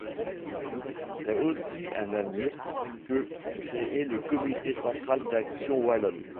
C'est aussi à Naùmur que fut créé le Comité central d'Action wallonne.